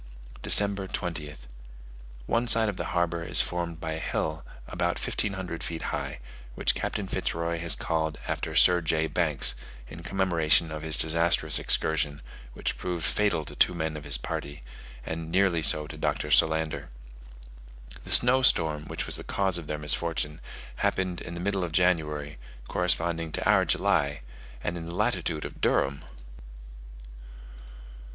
December 20th. One side of the harbour is formed by a hill about 1500 feet high, which Captain Fitz Roy has called after Sir J. Banks, in commemoration of his disastrous excursion, which proved fatal to two men of his party, and nearly so to Dr. Solander. The snow storm, which was the cause of their misfortune, happened in the middle of January, corresponding to our July, and in the latitude of Durham!